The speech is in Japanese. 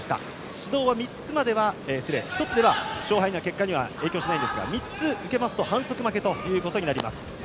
指導１つでは勝敗に影響しないんですが３つ受けますと反則負けとなります。